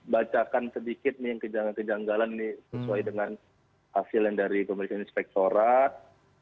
bacakan sedikit nih kejanggalan kejanggalan ini sesuai dengan hasil yang dari pemeriksaan inspektorat